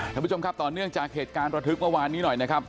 ท่านผู้ชมครับต่อเนื่องจากเหตุการณ์ระทึกเมื่อวานนี้หน่อยนะครับ